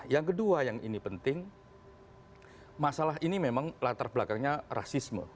yang kedua yang ini penting masalah ini memang latar belakangnya rasisme